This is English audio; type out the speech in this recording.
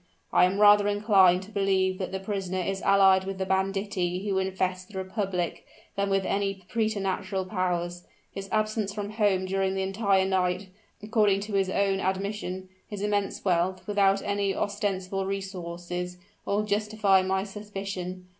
I am rather inclined to believe that the prisoner is allied with the banditti who infest the republic, than with any preterhuman powers. His absence from home during the entire night, according to his own admission, his immense wealth, without any ostensible resources, all justify my suspicion.